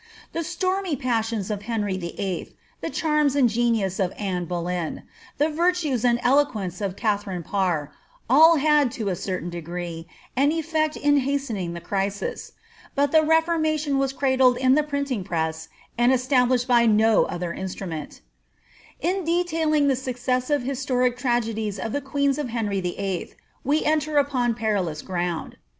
The stormy passions of Henry YIII., the charms and genius of Anne Boleyn, the virtues and eloquence of Katharine Parr, all had, to a certain degree, an effect in hastening the crisis ; but the Reformation was cradled in the printing press, and established by no nther instrument In detailing the successive historic tragedies of the queens of Henry VIU., we enter upon perilous ground.